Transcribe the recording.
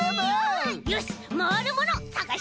よしまわるものさがしてみよう！